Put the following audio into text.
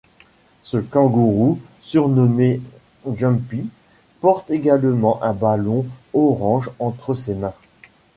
Ce kangourou, surnommé Jumpy, porte également un ballon orange entre ses mains.